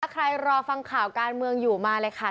ใครรอฟังข่าวการเมืองอยู่มาเลยค่ะ